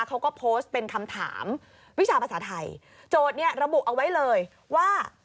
เขาก็โพสต์เป็นคำถามวิชาภาษาไทยโจทย์เนี่ยระบุเอาไว้เลยว่า